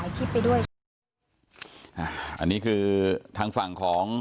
โจริง